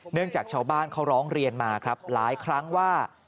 จากชาวบ้านเขาร้องเรียนมาครับหลายครั้งว่า